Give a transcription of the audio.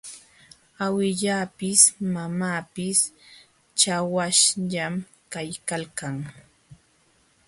Awillapis mamapis chawaśhñam kaykalkan.